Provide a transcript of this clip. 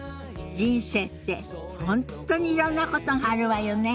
人生って本当にいろんなことがあるわよね。